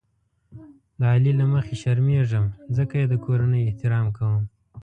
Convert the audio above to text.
د علي له مخې شرمېږم ځکه یې د کورنۍ احترام کوم.